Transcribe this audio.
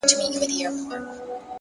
خپل ذهن د زده کړې لپاره پرانیزئ